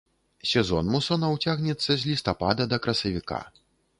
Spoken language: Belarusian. Сезон мусонаў цягнецца з лістапада да красавіка.